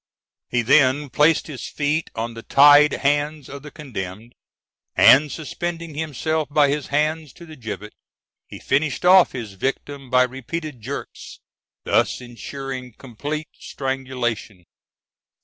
He then placed his feet on the tied hands of the condemned, and suspending himself by his hands to the gibbet, he finished off his victim by repeated jerks, thus ensuring complete strangulation.